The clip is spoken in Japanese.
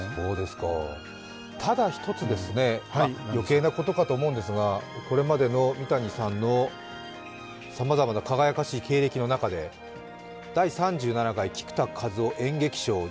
ただひとつ、余計なことかと思うんですがこれまでの三谷さんのさまざまな輝かしい経歴の中で、第３７回菊田一夫演劇賞・大賞